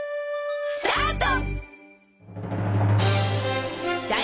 スタート！